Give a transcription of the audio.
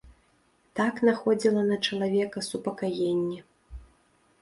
Так находзіла на чалавека супакаенне.